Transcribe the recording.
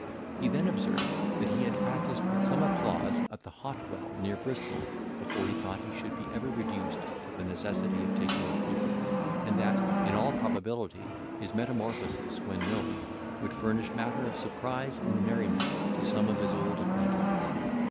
He then observed, that he had practised with some applause at the hot well near Bristol, before he thought he should be ever reduced to the necessity of taking a fee, and that, in all probability, his metamorphosis, when known, would furnish matter of surprise and merriment to some of his old acquaintance.